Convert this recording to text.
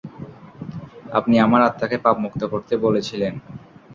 আপনি আমার আত্মাকে পাপমুক্ত করতে বলেছিলেন।